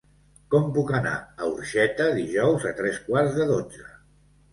Com puc anar a Orxeta dijous a tres quarts de dotze?